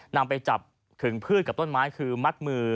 นำไปจับถึงพืชกับต้นไม้คือมัดมือ